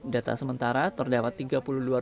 data sementara terdapat tiga puluh dua rumah